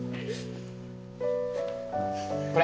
これ。